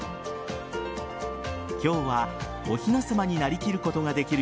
今日はおひな様になりきることができる